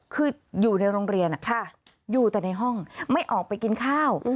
คืออยู่ในโรงเรียนอยู่แต่ในห้องไม่ออกไปกินข้าว